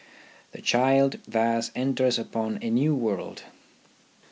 The child thus enters upon a new world.